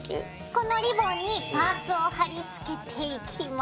このリボンにパーツを貼りつけていきます。